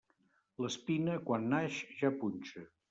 L'espina, quan naix, ja punxa.